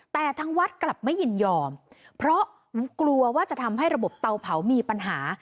แต่ทางวัดกลับไม่ยินยอมเพราะกลัวว่าจะทำให้ระบบเตาเผามีปัญหา